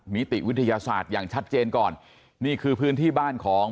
นิติวิทยาศาสตร์อย่างชัดเจนก่อนนี่คือพื้นที่บ้านของ